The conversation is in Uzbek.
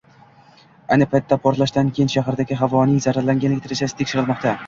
Ayni vaqtda portlashdan keyin shahardagi havoning zararlanganlik darajasi tekshirilmoqda